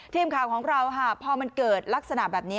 ทีมข่าวของเราค่ะพอมันเกิดลักษณะแบบนี้